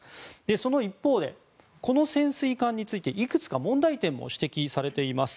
その一方でこの潜水艦についていくつか問題点も指摘されています。